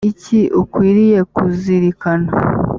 ni iki ukwiriye kuzirikana?